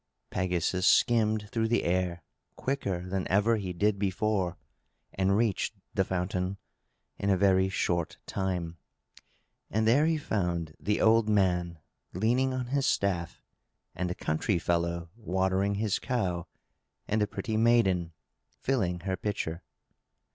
Pegasus skimmed through the air, quicker than ever he did before, and reached the fountain in a very short time. And there he found the old man leaning on his staff, and the country fellow watering his cow, and the pretty maiden filling her pitcher.